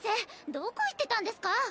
どこ行ってたんですか？